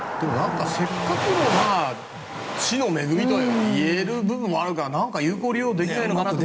せっかくの地の恵みと言える部分もあるからなんか有効利用できないのかなって